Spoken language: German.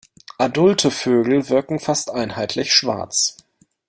Adulte Vögel wirken fast einheitlich schwarz.